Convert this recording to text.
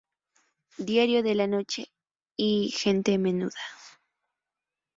Diario de la noche" y "Gente menuda".